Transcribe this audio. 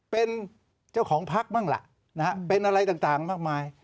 เป็นเจ้าของพักบ้างล่ะเป็นอะไรต่างมากมาย